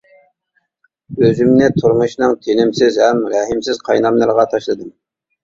ئۆزۈمنى تۇرمۇشنىڭ تېنىمسىز ھەم رەھىمسىز قايناملىرىغا تاشلىدىم.